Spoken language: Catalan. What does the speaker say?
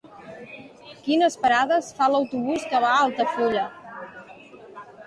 Quines parades fa l'autobús que va a Altafulla?